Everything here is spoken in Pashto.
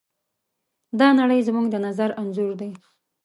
دا نړۍ زموږ د نظر انځور دی.